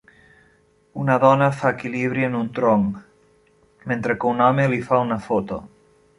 Una dona fa equilibri en un tronc, mentre que un home li fa una foto.